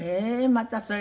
またそれは。